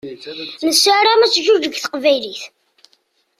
Nessaram ad teǧǧuǧeg teqbaylit.